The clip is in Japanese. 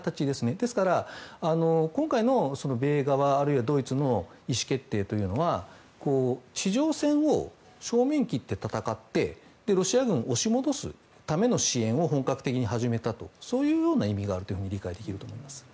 ですから、今回の米側あるいはドイツの意思決定というのは地上戦を正面切って戦ってロシア軍を押し戻すための支援を本格的に始めたという意味があると理解できると思います。